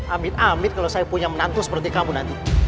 amit amit kalau saya punya menantu seperti kamu nanti